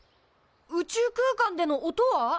宇宙空間での音は？